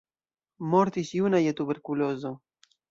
Mortis juna je tuberkulozo.